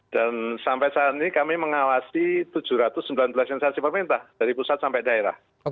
dan sampai saat ini kami mengawasi tujuh ratus sembilan belas sensasi peminta dari pusat sampai daerah